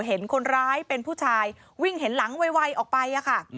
เห็นคนร้ายเป็นผู้ชายวิ่งเห็นหลังไวออกไปค่ะ